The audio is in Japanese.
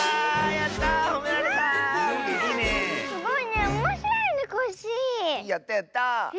やったやった！